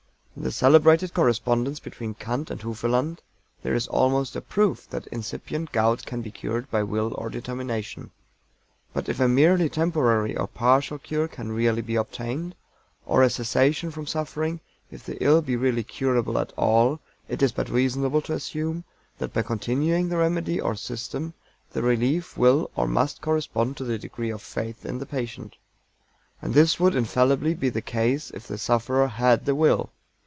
In the celebrated correspondence between KANT and HUFELAND there is almost a proof that incipient gout can be cured by will or determination. But if a merely temporary or partial cure can really be obtained, or a cessation from suffering, if the ill be really curable at all, it is but reasonable to assume that by continuing the remedy or system, the relief will or must correspond to the degree of "faith" in the patient. And this would infallibly be the case if the sufferer had the will.